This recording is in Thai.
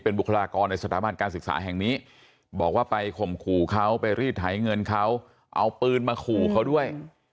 บุคลากรในสถาบันการศึกษาแห่งนี้บอกว่าไปข่มขู่เขาไปรีดไถเงินเขาเอาปืนมาขู่เขาด้วย